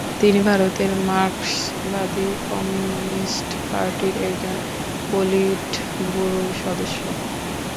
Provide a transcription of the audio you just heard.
তিনি ভারতের মার্কসবাদী কমিউনিস্ট পার্টির একজন পলিটব্যুরো সদস্য।